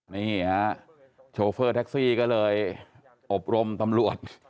นี่ฮะโชเฟอร์แท็กซี่ก็เลยอบรมตำรวจ